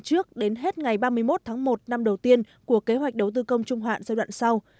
trước đến hết ngày ba mươi một tháng một năm đầu tiên của kế hoạch đầu tư công trung hạn giai đoạn sau